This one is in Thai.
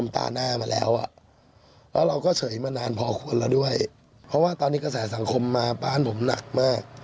ตอนนี้กระแสสังคมมาบ้านผมหนักมาก